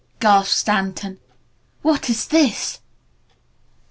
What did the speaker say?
gasped Stanton. "What is this?"